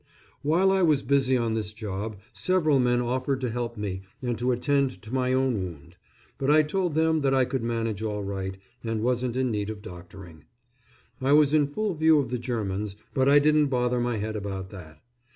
While I was busy on this job, several men offered to help me and to attend to my own wound; but I told them that I could manage all right, and wasn't in need of doctoring. I was in full view of the Germans, but I didn't bother my head about that.